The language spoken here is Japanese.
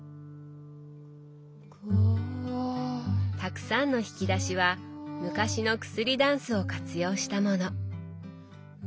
たくさんの引き出しは昔の薬だんすを活用したもの。